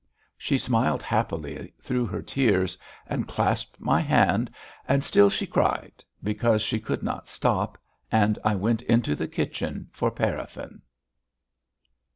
She smiled happily through her tears and clasped my hand, and still she cried, because she could not stop, and I went into the kitchen for paraffin.